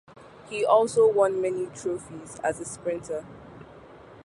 He also won many trophies as a sprinter.